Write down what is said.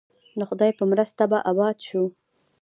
د خدای په مرسته به اباد شو؟